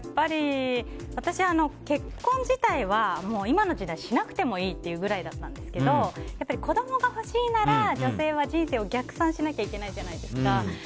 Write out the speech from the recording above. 私、結婚自体は今の時代しなくてもいいという考えだったんですけど子供が欲しいなら女性は人生を逆算しなきゃいけないじゃないですか。